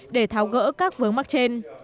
để tháo gỡ các vướng mắc trên